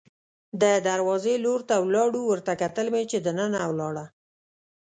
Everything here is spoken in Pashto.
د دروازې لور ته ولاړو، ورته کتل مې چې دننه ولاړه.